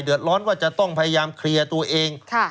เดือดร้อนว่าจะต้องพยายามเคลียร์ตัวเอง